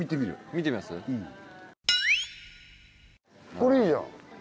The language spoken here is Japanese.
これいいじゃん。